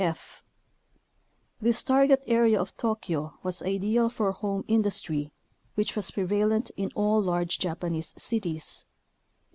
f. This target area of Tokyo was ideal for home industry which was prevalent in all large Japanese cities.